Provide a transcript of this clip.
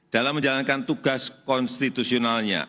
dalam menjalankan tugas konstitusionalnya